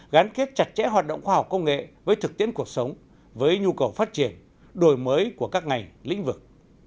gắn kết chặt chẽ hoạt động khoa học công nghệ với thực tiễn cuộc sống với nhu cầu phát triển đổi mới của các ngành lĩnh vực